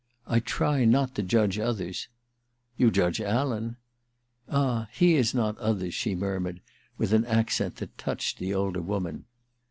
*I try not to judge others '* You judge Alan/ *Ah, he is not others/ she murmured with an accent that touched the older woman.